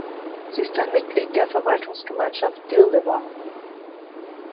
Sie ist ein Mitglied der Verwaltungsgemeinschaft Dirlewang.